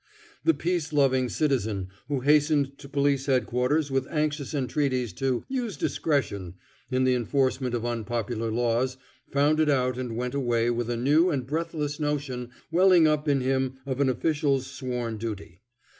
The peace loving citizen who hastened to Police Headquarters with anxious entreaties to "use discretion" in the enforcement of unpopular laws found it out and went away with a new and breathless notion welling up in him of an official's sworn duty.